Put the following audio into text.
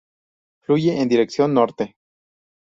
Fluye en dirección norte.